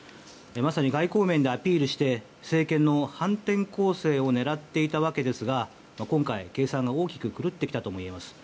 まさに外交面でアピールして政権の反転攻勢を狙っていたわけですが今回、計算が大きく狂ってきたとみえます。